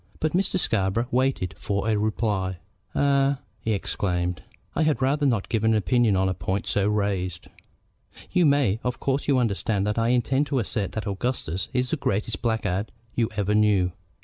But Mr. Scarborough waited for a reply. "Eh?" he exclaimed. "I had rather not give an opinion on a point so raised." "You may. Of course you understand that I intend to assert that Augustus is the greatest blackguard you ever knew.